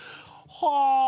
はあ。